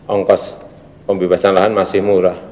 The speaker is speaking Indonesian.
ongkos pembebasan lahan masih murah